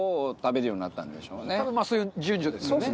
多分そういう順序ですよね。